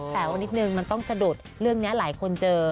แต่ว่านิดนึงมันต้องสะดุดเรื่องนี้หลายคนเจอ